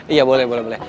iya boleh boleh